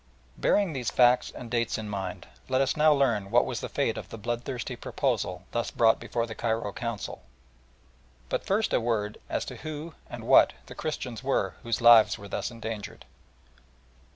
Bearing these facts and dates in mind, let us now learn what was the fate of the bloodthirsty proposal thus brought before the Cairo Council, but first a word as to who and what the Christians were whose lives were thus endangered.